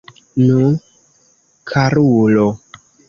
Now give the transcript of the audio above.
Nu, karulo!